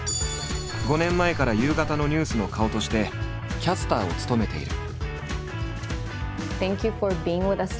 ５年前から夕方のニュースの顔としてキャスターを務めている。